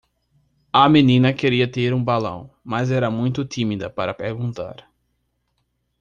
A menina queria ter um balão, mas era muito tímida para perguntar.